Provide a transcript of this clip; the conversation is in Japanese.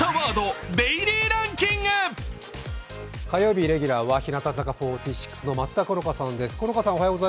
火曜日レギュラーは日向坂４６の松田好花さんです。